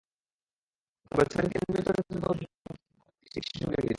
তবে ছবির কেন্দ্রীয় চরিত্রের গল্প আবর্তিত হবে একটি অটিস্টিক শিশুকে ঘিরে।